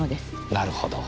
なるほど。